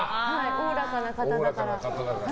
おおらかな方だから。